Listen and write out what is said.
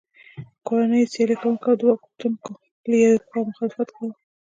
کورنیو سیالي کوونکو او د واک غوښتونکو له یوې خوا مخالفت کاوه.